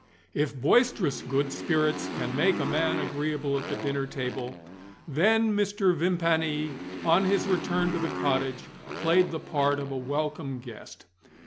If boisterous good spirits can make a man agreeable at the dinner table, then indeed Mr. Vimpany, on his return to the cottage, played the part of a welcome guest.